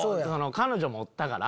彼女もおったから。